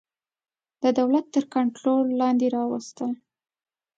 د دولت تر کنټرول لاندي راوستل.